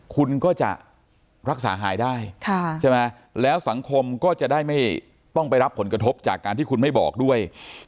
คุณก็จะรักษาหายได้ใช่ไหมแล้วสังคมก็จะได้ไม่ต้องไปรับผลกระทบจากการที่คุณไม่บอกด้วย